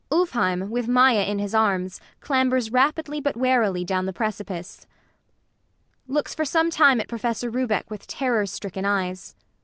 [ULFHEIM, with MAIA in his arms, clambers rapidly but warily down the precipice. IRENE. [Looks for some time at PROFESSOR RUBEK with terror stricken eyes.